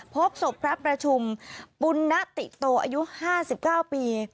พบศพพระประชุมปุณนติโตอายุ๕๙ปี